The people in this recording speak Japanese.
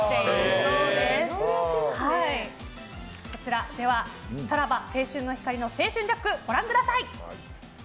それでは「さらば青春の光の青春ジャック」ご覧ください。